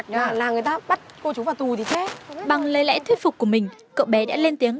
thế nhưng khi thấy hành động của hai vị khách này cậu bé chỉ dám nhìn theo mà không lên tiếng